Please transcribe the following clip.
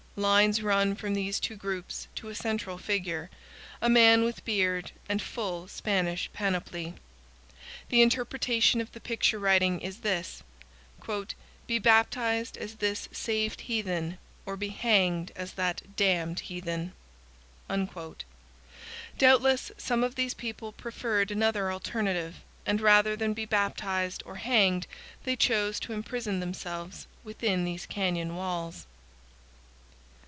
Lines run from these two groups to a central figure, a man with beard and full Spanish panoply. The interpretation of the picture writing is this: "Be baptized as this saved heathen, or be hanged as that damned heathen." Doubtless, some of these people preferred another alternative, and rather than be baptized or hanged they chose to imprison themselves within these canyon walls.